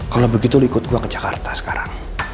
kalau begitu lo ikut gue ke jakarta sekarang